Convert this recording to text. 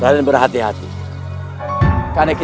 jangan lupa ikuti z ei dua